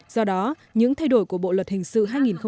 do đó những thay đổi của bộ luật hình sự hai nghìn một mươi năm